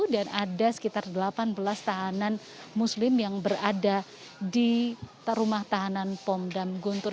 dan ada sekitar delapan belas tahanan muslim yang berada di rumah tahanan pondam guntur